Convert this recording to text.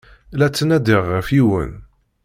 La ttnadiɣ ɣef yiwen.